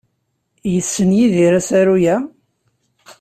Yessen Yidir asaru-a?